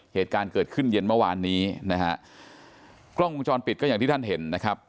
เหตุการณ์เกิดขึ้นเย็นเมื่อวานนี้นะฮะกล้องวงจรปิดก็อย่างที่ท่านเห็นนะครับ